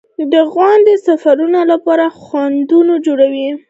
• غونډۍ د سفرونو لپاره خنډونه جوړوي.